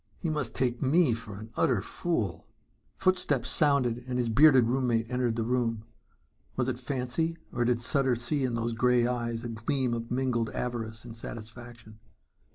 "He must take me for an utter fool!" Footsteps sounded and his bearded roommate entered the room. Was it fancy or did Sutter see in those grey eyes a gleam of mingled avarice and satisfaction?